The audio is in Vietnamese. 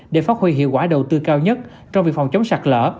để phát huy hiệu quả đầu tư cao nhất trong việc phòng chống sạt lỡ